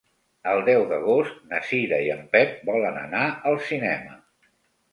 El deu d'agost na Cira i en Pep volen anar al cinema.